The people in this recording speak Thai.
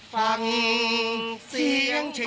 ฟังเสียงเฉียงโภคฮะ